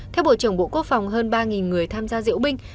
theo bộ trưởng bộ quốc phòng hơn ba người tham gia diễu binh